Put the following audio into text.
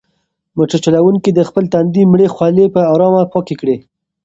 موټر چلونکي د خپل تندي مړې خولې په ارامه پاکې کړې.